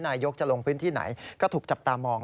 นายกจะลงพื้นที่ไหนก็ถูกจับตามอง